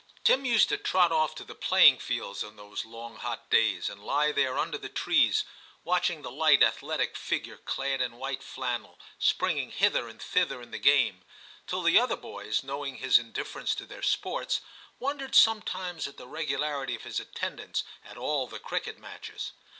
VII TIM 145 Tim used to trot off to the playing fields in those long hot days, and lie there under the trees, watching the light athletic figure clad in white flannel springing hither and thither in the game, till the other boys, knowing his indifference to their sports, wondered sometimes at the regularity of his attendance at all the cricket matches.